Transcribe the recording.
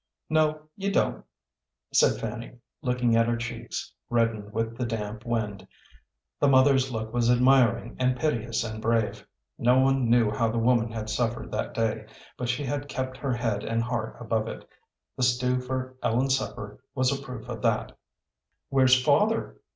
"No, you don't," said Fanny, looking at her cheeks, reddened with the damp wind. The mother's look was admiring and piteous and brave. No one knew how the woman had suffered that day, but she had kept her head and heart above it. The stew for Ellen's supper was a proof of that. "Where's father?"